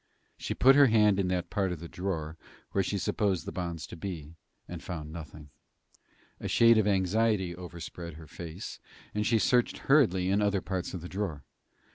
She put her hand in that part of the drawer where she supposed the bonds to be, and found nothing. A shade of anxiety overspread her face, and she searched hurriedly in other parts of the drawer.